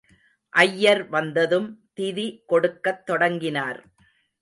ஐயர் வந்ததும் திதி கொடுக்கத் தொடங்கினார்.